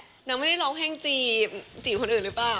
นางไม่ได้ร้องแห้งจีบจีบคนอื่นหรือเปล่า